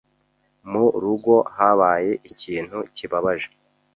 Mu rugo habaye ikintu kibabaje.